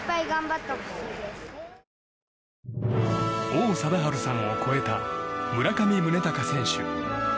王貞治さんを超えた村上宗隆選手。